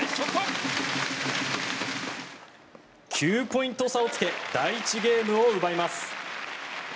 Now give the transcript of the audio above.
９ポイント差をつけ第１ゲームを奪います。